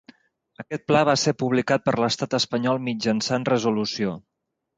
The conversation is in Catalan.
Aquest pla va ser publicat per l'Estat espanyol mitjançant resolució.